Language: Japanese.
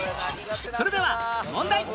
それでは問題